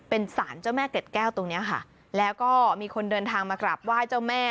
เป็นสารเจ้าแม่เกร็ดแก้วตรงเนี้ยค่ะแล้วก็มีคนเดินทางมากราบไหว้เจ้าแม่